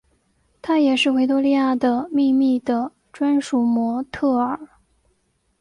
她也是维多利亚的秘密的专属模特儿。